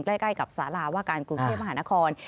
ใกล้กับสาราว่าการกรุงเทพมหานคร